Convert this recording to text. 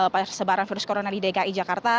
persebaran virus corona di dki jakarta